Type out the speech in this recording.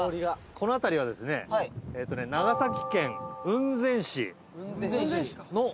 この辺りはですね長崎県雲仙市の小浜温泉という。